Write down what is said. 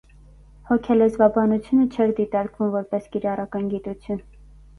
Հոգելեզվաբանությունը չէր դիտարկվում որպես կիրառական գիտություն։